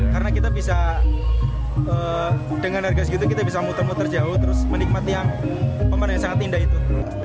karena kita bisa dengan harga segitu kita bisa muter muter jauh terus menikmati yang pemandangan yang sangat indah itu